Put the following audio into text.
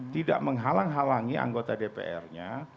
tidak menghalang halangi anggota dpr nya